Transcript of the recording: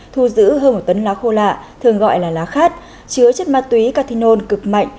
thu giữ hơn một tấn lá khô lạ thường gọi là lá khát chứa chất ma túy cathinol cực mạnh